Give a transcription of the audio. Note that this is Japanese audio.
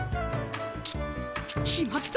き決まった！